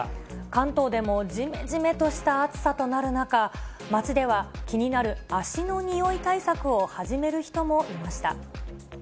関東でもじめじめとした暑さとなる中、街では、気になる足のにおい対策を始める人もいました。